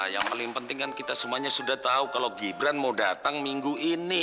yang paling penting kan kita semuanya sudah tahu kalau gibran mau datang minggu ini